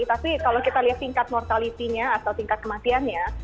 tapi kalau kita lihat tingkat mortality nya atau tingkat kematiannya